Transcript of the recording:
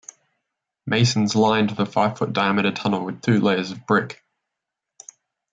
Masons lined the five-foot-diameter tunnel with two layers of brick.